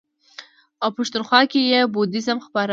او پښتونخوا کې یې بودیزم خپراوه.